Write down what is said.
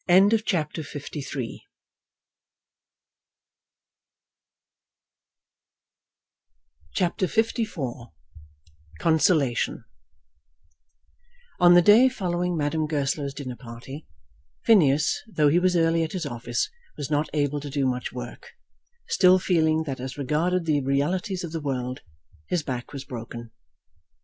CHAPTER LIV Consolation On the day following Madame Goesler's dinner party, Phineas, though he was early at his office, was not able to do much work, still feeling that as regarded the realities of the world, his back was broken.